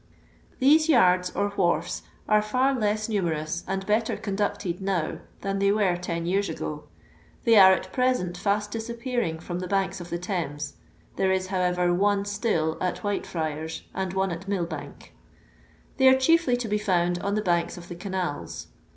These yards or wharfs are fiir less numerous and better conducted now tlian they were ten years ago. They are at present fast disappearing from the banks of the Thames (there is, how ever, one still at Whitefriars and one at Milbank). They arc chicHy to be found on the banks of the canals.